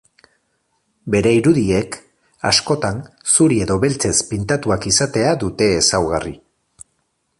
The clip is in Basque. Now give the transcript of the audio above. Bere irudiek askotan zuri edo beltzez pintatuak izatea dute ezaugarri.